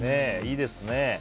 いいですね。